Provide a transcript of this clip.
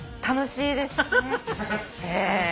楽しいです。